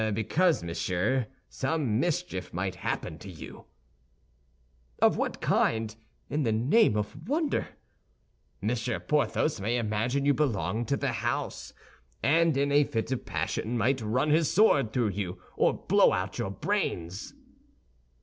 "Because, monsieur, some mischief might happen to you." "Of what kind, in the name of wonder?" "Monsieur Porthos may imagine you belong to the house, and in a fit of passion might run his sword through you or blow out your brains."